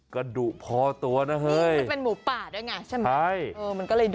ก็ดุพอตัวนะเฮ้ยมันเป็นหมูป่าด้วยไงใช่ไหมใช่เออมันก็เลยดู